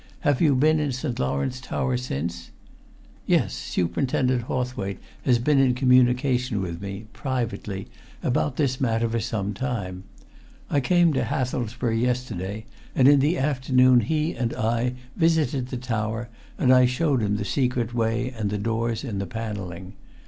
Have you been in St. Lawrence tower since?" "Yes. Superintendent Hawthwaite has been in communication with me privately about this matter for some little time. I came to Hathelsborough yesterday, and in the afternoon he and I visited the tower and I showed him the secret way and the doors in the panelling.